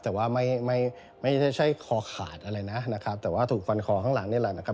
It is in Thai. แต่ว่าไม่ไม่ใช่คอขาดอะไรนะนะครับแต่ว่าถูกฟันคอข้างหลังนี่แหละนะครับ